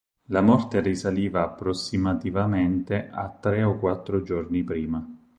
La morte risaliva approssimativamente a tre o quattro giorni prima.